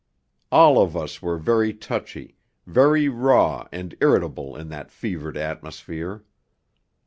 All of us were very touchy, very raw and irritable in that fevered atmosphere.